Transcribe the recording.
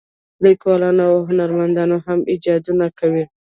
لیکوالان او هنرمندان هم ایجادونه کوي.